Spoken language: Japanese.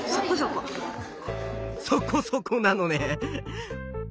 そこそこなのね。